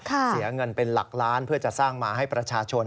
เสียเงินเป็นหลักล้านเพื่อจะสร้างมาให้ประชาชน